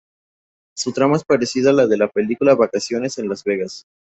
Su trama es parecida a la película Vacaciones en Las Vegas.